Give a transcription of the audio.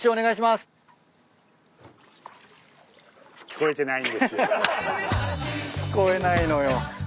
聞こえないのよ。